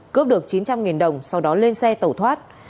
cướp được chín trăm linh đồng sau đó lên xe tẩu thoát